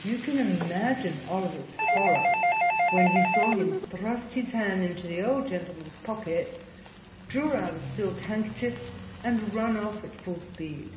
You can imagine Oliver's horror when he saw him thrust his hand into the old gentleman's pocket, draw out a silk handkerchief and run off at full speed.